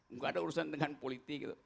nggak ada urusan dengan politik gitu